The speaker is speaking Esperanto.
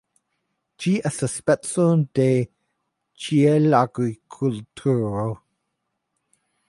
Ĝi estas speco de ĉelagrikulturo.